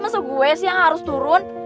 masa gue sih yang harus turun